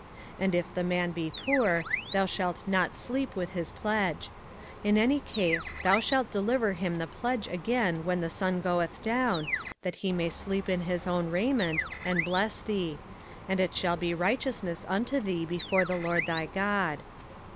05:024:012 And if the man be poor, thou shalt not sleep with his pledge: 05:024:013 In any case thou shalt deliver him the pledge again when the sun goeth down, that he may sleep in his own raiment, and bless thee: and it shall be righteousness unto thee before the LORD thy God.